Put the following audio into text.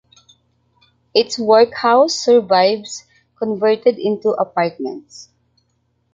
Its workhouse survives converted into apartments.